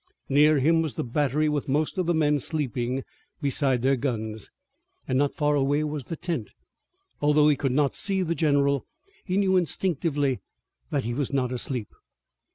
Near him was the battery with most of the men sleeping beside their guns, and not far away was the tent. Although he could not see the general, he knew instinctively that he was not asleep.